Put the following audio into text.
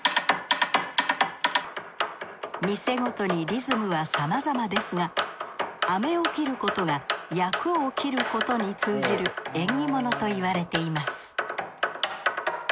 店ごとにリズムはさまざまですが飴を切ることが厄を切ることに通じる縁起物といわれています。